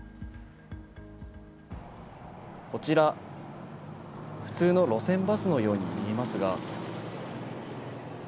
こちら、普通の路線バスのように見えますが。